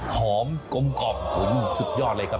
หอมกลมกล่อมสุดยอดเลยครับ